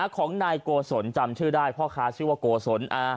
ของนายโกศลจำชื่อได้พ่อค้าชื่อว่าโกศล